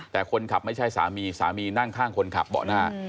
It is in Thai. แต่คนขับไม่ใช่สามีสามีนั่งข้างคนขับเบาะหน้า